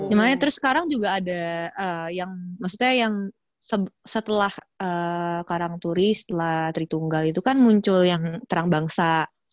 gimana terus sekarang juga ada yang maksudnya yang setelah karang turis setelah tritunggal itu kan muncul yang terang bangsa